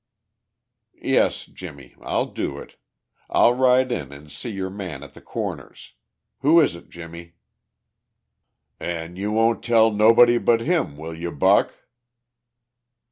"Yes, Jimmie. I'll do it. I'll ride in and see your man at the Corners. Who is it, Jimmie?" "An' you won't tell nobody but him, will you, Buck?"